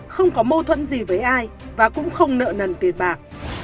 không có mâu thuẫn gì với ai và cũng không nợ nần tiền bạc